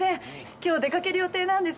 今日出かける予定なんです。